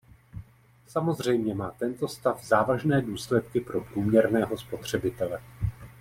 Samozřejmě má tento stav závažné důsledky pro průměrného spotřebitele.